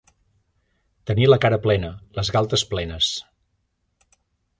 Tenir la cara plena, les galtes plenes.